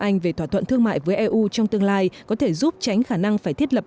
anh về thỏa thuận thương mại với eu trong tương lai có thể giúp tránh khả năng phải thiết lập